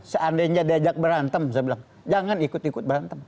seandainya diajak berantem saya bilang jangan ikut ikut berantem